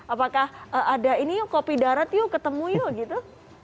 apakah ada ini yuk kopi darat yuk ketemu yuk gitu